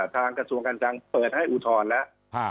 กระทรวงการคลังเปิดให้อุทธรณ์แล้ว